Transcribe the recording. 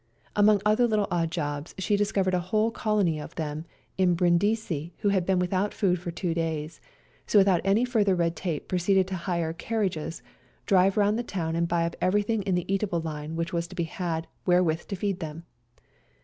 Among other little odd jobs she discovered a whole colony of them in Brindisi who had been without food for two days ; so without any further red tape proceeded to hire car riages, drive round the town and buy up everything in the eatable line which was to be had wherewith to feed them.